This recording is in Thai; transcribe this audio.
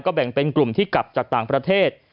แบ่งเป็นกลุ่มที่กลับจากต่างประเทศ